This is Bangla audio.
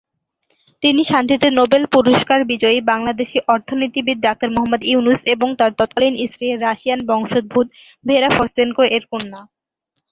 তিনি শান্তিতে নোবেল পুরস্কার বিজয়ী বাংলাদেশী অর্থনীতিবিদ ডাক্তার মুহাম্মদ ইউনুস এবং তার তৎকালীন স্ত্রী রাশিয়ান বংশোদ্ভুত "ভেরা ফরস্তেনকো"-এর কন্যা।